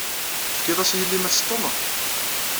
Tefkiḍ-as i yelli-m ad teṭṭeḍ?